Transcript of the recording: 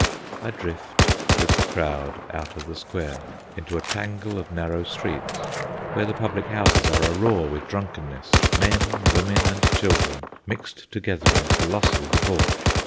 I drift with the crowd out of the square into a tangle of narrow streets, where the public houses are a roar with drunkenness, men, women, and children mixed together in colossal debauch.